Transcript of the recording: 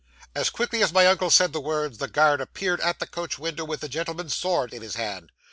'As quickly as my uncle said the words, the guard appeared at the coach window, with the gentleman's sword in his hand.